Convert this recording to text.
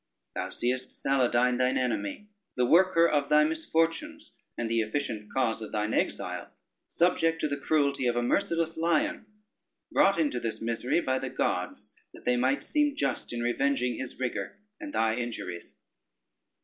Thou seest Saladyne thine enemy, the worker of thy misfortunes, and the efficient cause of thine exile, subject to the cruelty of a merciless lion, brought into this misery by the gods, that they might seem just in revenging his rigor, and thy injuries.